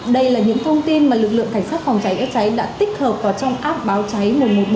đây là những thông tin mà lực lượng cảnh sát phòng cháy chữa cháy đã tích hợp vào trong app báo cháy một trăm một mươi một